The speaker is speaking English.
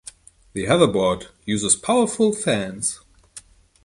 The hoverboard uses powerful fans.